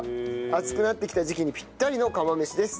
暑くなってきた時期にピッタリの釜飯です。